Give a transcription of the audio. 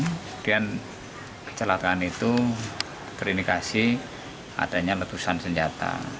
kemudian kecelakaan itu terindikasi adanya letusan senjata